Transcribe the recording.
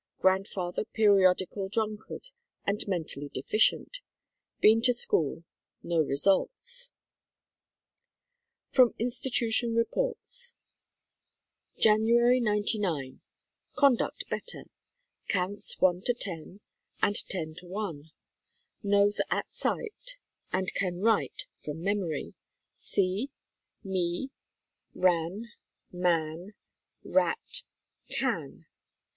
Grandfather periodical drunkard and men tally deficient. Been to school. No results. From Institution Reports : Jan. '99. Conduct better. Counts i io and 10 i. Knows at sight and can write from memory "see," "me," "ran," "man," "rat," "can."